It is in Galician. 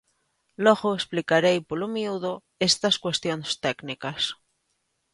Logo explicarei polo miúdo estas cuestións técnicas.